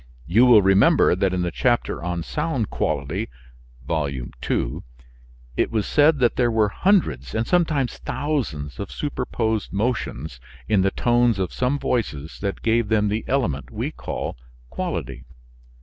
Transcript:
You will remember that in the chapter on sound quality (Vol. II) it was said that there were hundreds and sometimes thousands of superposed motions in the tones of some voices that gave them the element we call quality.